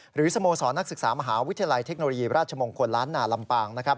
หรือสโมสรนักศึกษามหาวิทยาลัยเทคโนโลยีราชมงค์คนล้านนาลำปาง